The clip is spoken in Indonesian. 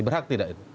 berhak tidak itu